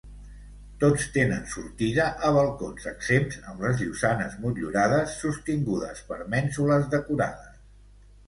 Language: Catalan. Tots tenen sortida a balcons exempts amb les llosanes motllurades, sostingudes per mènsules decorades.